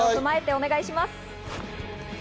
では、お願いします。